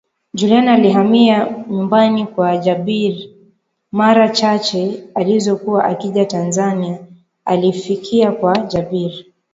Juliana alihamia nyumbani kwa Jabir mara chache alizokuwa akija Tanzania alifikia kwa Jabir